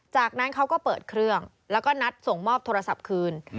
จากนั้นเขาก็เปิดเครื่องแล้วก็นัดส่งมอบโทรศัพท์คืน